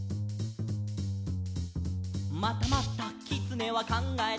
「またまたきつねはかんがえた」